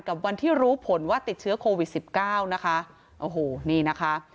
กับวันที่รู้ผลว่าติดเชื้อโควิด๑๙